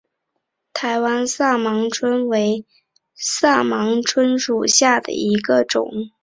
台湾萨盲蝽为盲蝽科萨盲蝽属下的一个种。